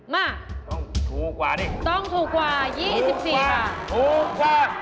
มาต้องถูกกว่า๒๔บาท